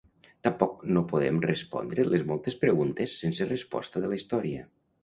Tampoc no podem respondre les moltes preguntes sense resposta de la història.